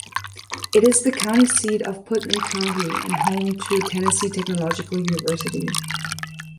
It is the county seat of Putnam County and home to Tennessee Technological University.